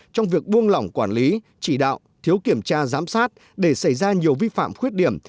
trong việc buông lỏng quản lý chỉ đạo thiếu kiểm tra giám sát để xảy ra nhiều vi phạm khuyết điểm